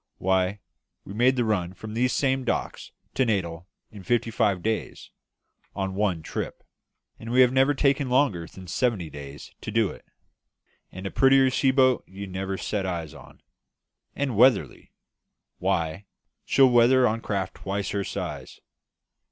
Why, we made the run from these same docks to Natal in fifty five days, on one trip; and we have never taken longer than seventy days to do it. And a prettier sea boat you never set eyes on. And weatherly why, she'll weather on craft twice her size.